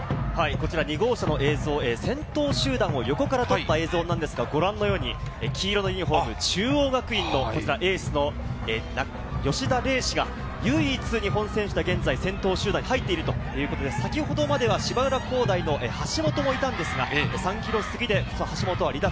２号車の映像、先頭集団を横から撮った映像ですが、ご覧のように、黄色のユニホーム、中央学院のこちら、エースの吉田礼志が唯一日本選手で現在、先頭集団に入っているということで、先ほどまでは芝浦工大の橋本もいたんですが、３ｋｍすぎで橋本は離脱。